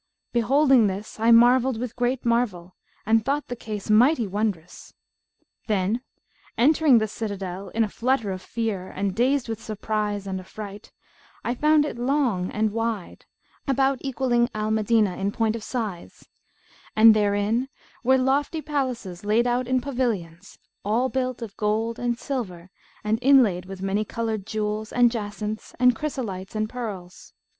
Beholding this I marvelled with great marvel and thought the case mighty wondrous; then entering the citadel in a flutter of fear and dazed with surprise and affright, I found it long and wide, about equalling Al Medinah[FN#167] in point of size; and therein were lofty palaces laid out in pavilions all built of gold and silver and inlaid with many coloured jewels and jacinths and chrysolites and pearls.